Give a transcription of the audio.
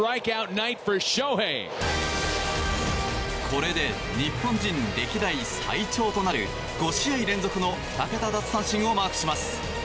これで日本人歴代最長となる５試合連続の２桁奪三振をマークします。